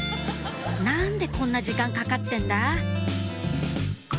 「何でこんな時間かかってんだ？」